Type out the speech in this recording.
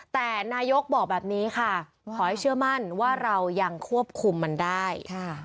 แต่นายกบอกแบบนี้ค่ะขอให้เชื่อมั่นว่าเรายังควบคุมมันได้